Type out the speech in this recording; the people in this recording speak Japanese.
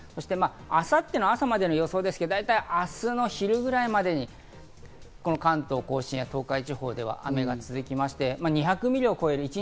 明後日の朝までの予想ですけど、大体明日の昼ぐらいまでにこの関東甲信や東海地方では雨が続きまして、２００ミリを超える。